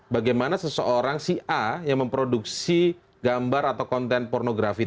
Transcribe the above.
bagaimana seseorang si a yang memproduksi gambar atau konten pornografi